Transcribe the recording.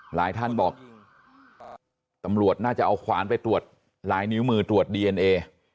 หลายท่านบอกตำรวจน่าจะเอาขวานไปตรวจลายนิ้วมือตรวจดีเอนเอ